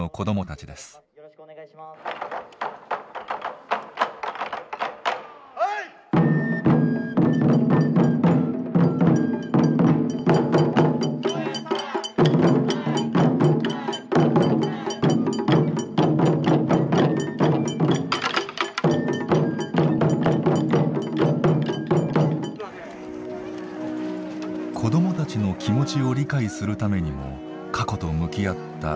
子どもたちの気持ちを理解するためにも過去と向き合った美希さん。